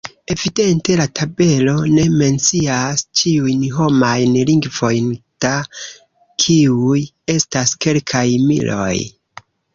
Evidente la tabelo ne mencias ĉiujn homajn lingvojn, da kiuj estas kelkaj miloj.